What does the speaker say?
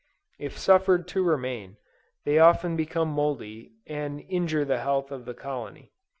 If suffered to remain, they often become mouldy, and injure the health of the colony.